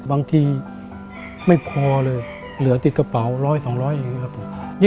บางที่ไม่พอเลยเหลือติดกระเป๋า๑๐๐๒๐๐บาท